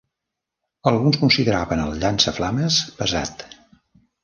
Alguns consideraven el llançaflames pesat.